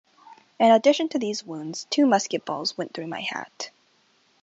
In addition to these wounds, two musket balls went through my hat.